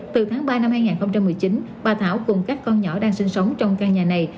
từ tháng ba năm hai nghìn một mươi chín bà thảo cùng các con nhỏ đang sinh sống trong căn nhà này